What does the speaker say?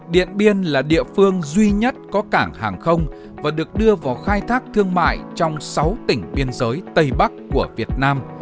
điện biên là địa phương duy nhất có cảng hàng không và được đưa vào khai thác thương mại trong sáu tỉnh biên giới tây bắc của việt nam